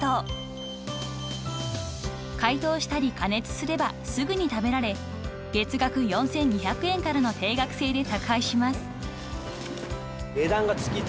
［解凍したり加熱すればすぐに食べられ月額４，２００円からの定額制で宅配します］